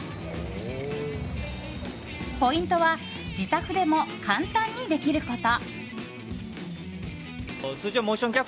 ポイントは自宅でも簡単にできること。